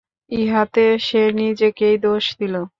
ইহাতে সে নিজেকেই দোষ দিল।